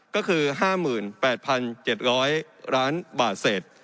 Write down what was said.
ก็คือ๕๘๗๐๐ล้านบาทเศษ